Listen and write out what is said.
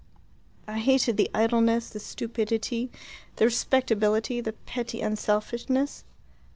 "I hated the idleness, the stupidity, the respectability, the petty unselfishness."